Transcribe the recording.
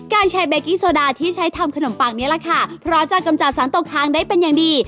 การใช้เบกี้โซดาที่ใช้ทำขนมปังนี้แหละค่ะเพราะจะกำจัดสรรตกทางได้เป็นอย่างดี